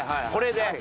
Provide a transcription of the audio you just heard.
これで。